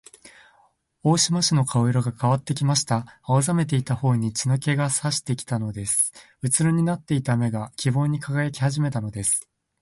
大鳥氏の顔色がかわってきました。青ざめていたほおに血の気がさしてきたのです。うつろになっていた目が、希望にかがやきはじめたのです。